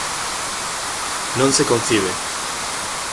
Non se concibe.